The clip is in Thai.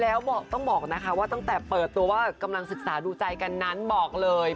แล้วต้องบอกนะคะว่าตั้งแต่เปิดตัวว่ากำลังศึกษาดูใจกันนั้นบอกเลย